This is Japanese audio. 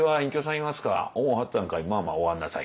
「おお八っつぁんかいまあまあお上がんなさい」。